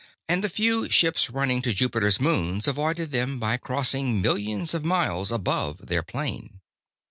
And the few ships running to Jupiter's moons avoided them by crossing millions of miles above their plane.